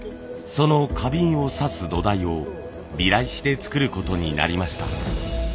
その花瓶をさす土台をビラ石で作ることになりました。